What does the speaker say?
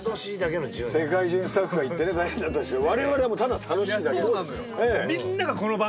世界中にスタッフが行ってね大変だったでしょうけど我々はもうただ楽しいだけいやそうなのよ